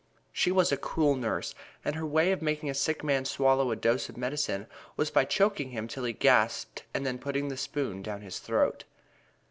She was a cruel nurse, and her way of making a sick man swallow a dose of medicine was by choking him till he gasped and then putting the spoon down his throat.